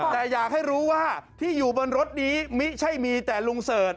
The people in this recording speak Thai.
แต่อยากให้รู้ว่าที่อยู่บนรถนี้ไม่ใช่มีแต่ลุงเสิร์ช